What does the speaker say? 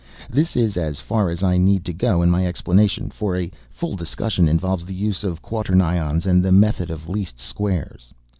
This is as far as I need to go in my explanation, for a full discussion involves the use of quaternions and the method of least squares.